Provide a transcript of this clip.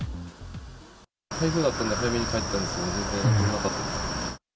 台風だったので、早めに帰ったんですけど、全然なんともなかったです。